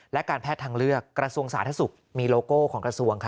และการแพทย์ทางเลือกกระทรวงสาธารณสุขมีโลโก้ของกระทรวง